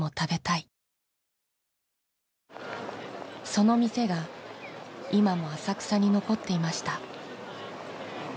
その店が今も浅草に残っていました。